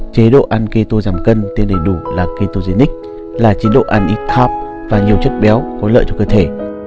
chế độ ăn keto giảm cân tên đầy đủ là ketogenic là chế độ ăn ít carb và nhiều chất béo có lợi cho cơ thể